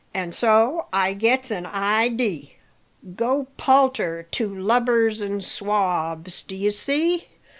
An' so I gets an idee! "Go palter to lubbers an' swabs, d'ye see?